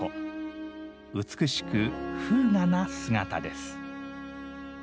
美しく風雅な姿です。